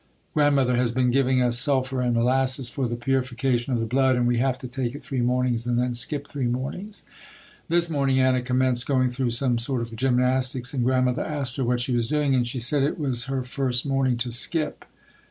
Grandmother has been giving us sulphur and molasses for the purification of the blood and we have to take it three mornings and then skip three mornings. This morning Anna commenced going through some sort of gymnastics and Grandmother asked her what she was doing, and she said it was her first morning to skip.